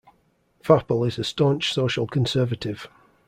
Wappel is a staunch social conservative.